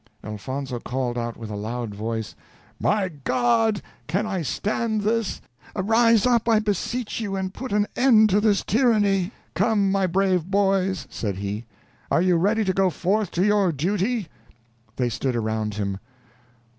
Elfonzo called out with a loud voice, "My God, can I stand this! arise up, I beseech you, and put an end to this tyranny. Come, my brave boys," said he, "are you ready to go forth to your duty?" They stood around him.